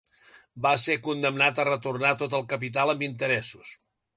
Va ser condemnat a retornar tot el capital amb interessos.